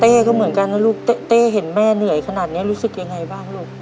ก็เหมือนกันนะลูกเต้เห็นแม่เหนื่อยขนาดนี้รู้สึกยังไงบ้างลูก